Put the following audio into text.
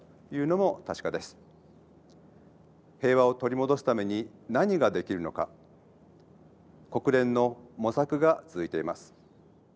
平和を取り戻すために何ができるのか国連の模索が続いています。